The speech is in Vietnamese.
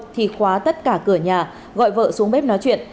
thì khóa tất cả cửa nhà gọi vợ xuống bếp nói chuyện